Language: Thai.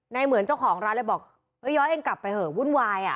เหมือนเจ้าของร้านเลยบอกเอ้ย้อยเองกลับไปเหอะวุ่นวายอ่ะ